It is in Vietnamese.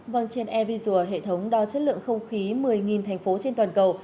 vâng trên airvisual hệ thống đo chất lượng không khí một mươi thành phố trên toàn cầu